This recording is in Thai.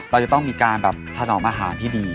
เราจะต้องมีการแบบถนอมอาหารที่ดี